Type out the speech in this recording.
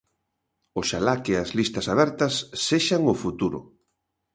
Oxalá que as listas abertas sexan o futuro.